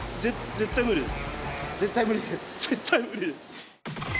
絶対無理です。